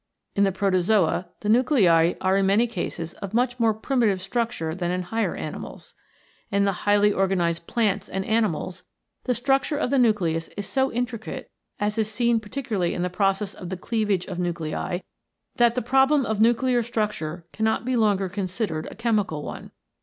In the Protozoa the nuclei are in many cases of much more primitive structure than in higher animals. In the highly organised plants and animals the structure of the nucleus is so intricate, as is seen particularly in the process of the cleavage of nuclei, that the problem of nuclear structure cannot be longer considered a chemical one.